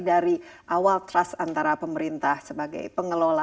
dari awal trust antara pemerintah sebagai pengelola